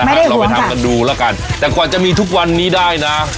เราไปทำกันดูแล้วกันแต่กว่าจะมีทุกวันนี้ได้นะ